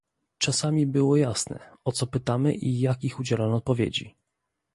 Czasami było jasne, o co pytamy i jakich udzielono odpowiedzi